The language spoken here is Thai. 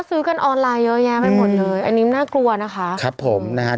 ซื้อกันออนไลน์เยอะแยะไปหมดเลยอันนี้น่ากลัวนะคะครับผมนะฮะ